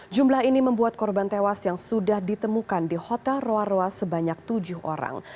jumlah ini membuat korban tewas yang sudah ditemukan di hotel roa roa sebanyak tujuh orang